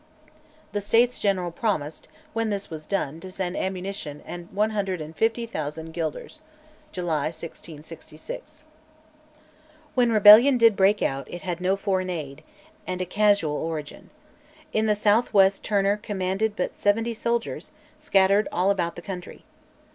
The States General promised, when this was done, to send ammunition and 150,000 gulden (July 1666). When rebellion did break out it had no foreign aid, and a casual origin. In the south west Turner commanded but seventy soldiers, scattered all about the country.